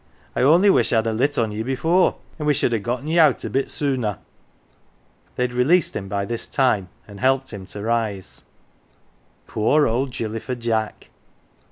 I only wish I'd ha' lit on ye before, an' we sh'd ha' gotten ye out a bit sooner." They had released him by this time and helped him to rise. Poor old Gilly fer Jack